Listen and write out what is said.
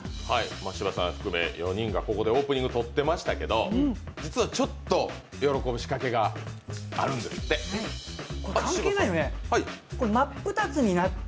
柴田さん含め４人がここでオープニング撮ってましたけど、実はちょっと喜ぶ仕掛けがあるんですって。